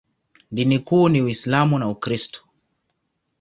Dini kuu ni Uislamu na Ukristo.